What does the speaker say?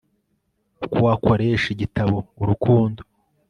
uko wakoresha igitabo urukundo